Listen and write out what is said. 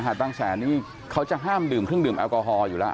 หาดบางแสนนี้เค้าจะห้ามดื่มคลื่นดื่มแอลกอฮอล์อยู่แล้ว